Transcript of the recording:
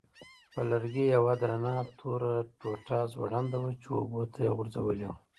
پر لرګي یوه درنه توره ټوټه ځوړنده وه چې اوبو ته یې غورځولې وه.